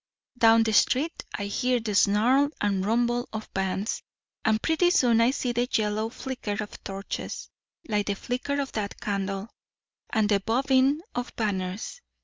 Down the street I hear the snarl and rumble of bands, and pretty soon I see the yellow flicker of torches, like the flicker of that candle, and the bobbing of banners.